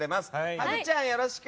ハグちゃん、よろしく！